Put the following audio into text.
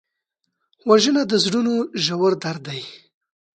وژنه د زړونو ژور درد دی